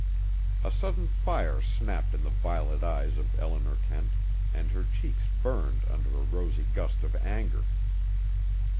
A sudden fire snapped in the violet eyes of Eleanor Kent and her cheeks burned under a rosy gust of anger.